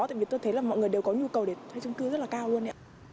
tại vì tôi thấy là mọi người đều có nhu cầu để thuê chung cư rất là cao luôn